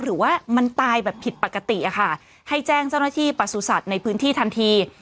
หรือว่ามันตายแบบผิดปกติอะค่ะให้แจ้งเจ้าหน้าที่ประสุทธิ์ในพื้นที่ทันที